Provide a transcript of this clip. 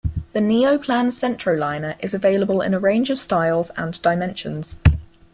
The Neoplan Centroliner is available in a range of styles and dimensions.